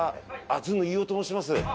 ずんの飯尾と申します。